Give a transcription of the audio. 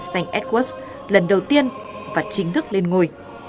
st edward lần đầu tiên và chính thức lên ngôi